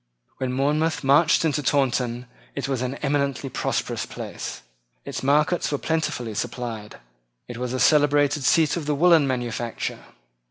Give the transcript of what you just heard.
When Monmouth marched into Taunton it was an eminently prosperous place. Its markets were plentifully supplied. It was a celebrated seat of the woollen manufacture.